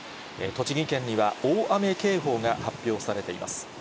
栃木県には大雨警報が発表されています。